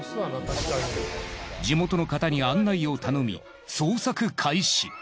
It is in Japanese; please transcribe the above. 地元の方に案内を頼み捜索開始。